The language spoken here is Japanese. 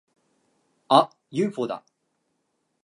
あっ！ユーフォーだ！